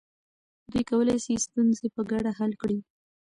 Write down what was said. دوی کولی سي ستونزې په ګډه حل کړي.